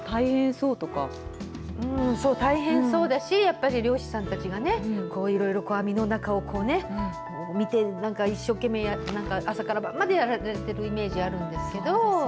そう、大変そうだし、やっぱり漁師さんたちがこういろいろ、網の中をこうね、見て、なんか一生懸命やって、朝から晩までやってるイメージがあるんですけど。